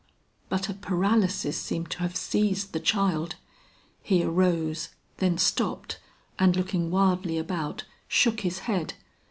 But a paralysis seemed to have seized the child; he arose, then stopped, and looking wildly about, shook his head.